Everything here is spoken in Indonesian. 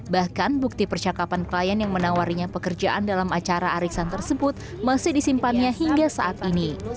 bahkan bukti percakapan klien yang menawarinya pekerjaan dalam acara arisan tersebut masih disimpannya hingga saat ini